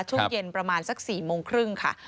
ช่วงเย็นประมาณสัก๔โมงครึ่งค่ะ